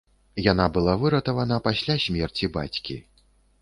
Яна была выратавана пасля смерці бацькі.